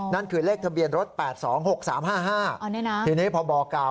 นั่นคือเลขทะเบียนรถ๘๒๖๓๕๕ทีนี้พอบอกกล่าว